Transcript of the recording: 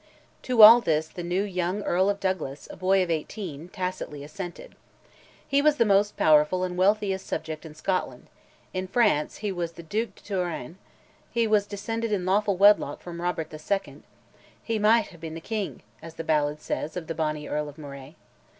To all this the new young Earl of Douglas, a boy of eighteen, tacitly assented. He was the most powerful and wealthiest subject in Scotland; in France he was Duc de Touraine; he was descended in lawful wedlock from Robert II.; "he micht ha'e been the king," as the ballad says of the bonny Earl of Moray.